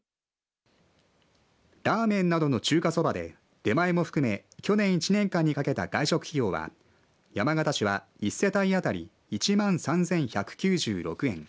ラーメンなどの中華そばで出前も含め去年１年間にかけた外食費用は山形市は、１世帯当たり１万３１９６円。